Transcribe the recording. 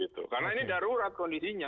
karena ini darurat kondisinya